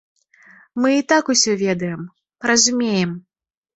Мы і так усё ведаем, разумеем.